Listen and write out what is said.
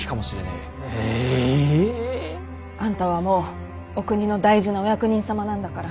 ええ。あんたはもうお国の大事なお役人様なんだから。